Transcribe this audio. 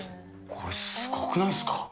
これ、すごくないですか。